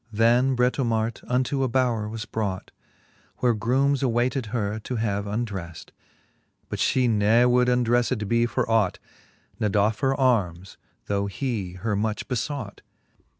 Then Britomart unto a bowre was brought ; Where groomes awayted her to have undreft. But ftie ne would undrelfed be for ought, Ne doffe her armes, though he her much befeught.